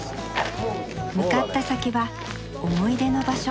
向かった先は思い出の場所。